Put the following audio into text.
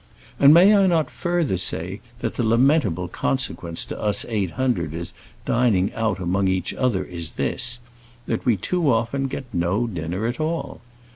And may I not further say that the lamentable consequence to us eight hundreders dining out among each other is this, that we too often get no dinner at all.